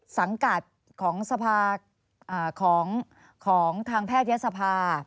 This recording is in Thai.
สังกัดของทางแพทยศภา